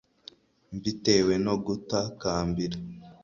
mbitewe no gutakambira